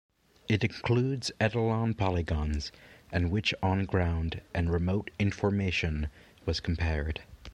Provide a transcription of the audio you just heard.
It includes etalon polygons on which on-ground and remote information was compared.